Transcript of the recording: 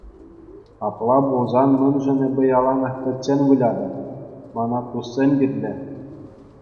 Апла пулсан мӗншӗн эпӗ яланах пӗччен вылятӑп, мана туссем кирлӗ.